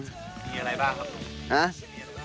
มีอะไรบ้างครับ